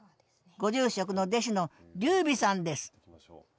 ご住職の弟子の龍美さんです